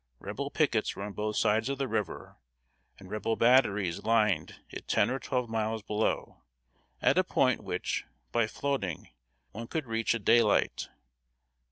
Rebel pickets were on both sides of the river, and Rebel batteries lined it ten or twelve miles below, at a point which, by floating, one could reach at daylight.